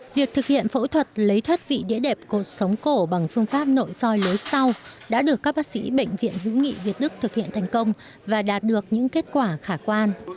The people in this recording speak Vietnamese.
việc thực hiện phẫu thuật lấy thất vị địa đẹp cột sống cổ bằng phương pháp nội soi lối sau đã được các bác sĩ bệnh viện hữu nghị việt đức thực hiện thành công và đạt được những kết quả khả quan